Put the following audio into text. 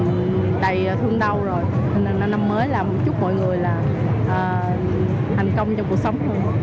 nên năm mới là chúc mọi người là hành công trong cuộc sống